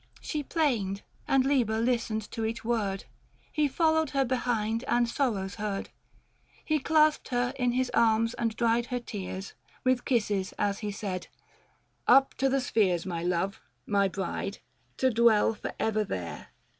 550 She plained, and Liber listened to each word, He followed her behind and sorrows heard ; He clasped her in his arms and dried her tears With kisses, as he said ;" Up to the spheres My love, my bride, to dwell for ever there.